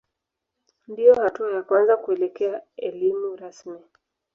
Ndiyo hatua ya kwanza kuelekea elimu rasmi.